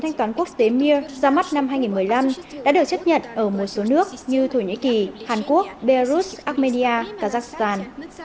thẻ mir ra mắt năm hai nghìn một mươi năm đã được chấp nhận ở một số nước như thổ nhĩ kỳ hàn quốc beirut armenia kazakhstan